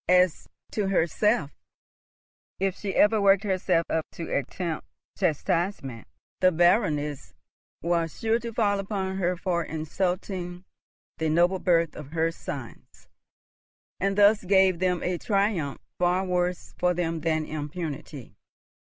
As to herself, if she ever worked herself up to attempt chastisement, the Baroness was sure to fall upon her for insulting the noble birth of her sons, and thus gave them a triumph far worse for them than impunity.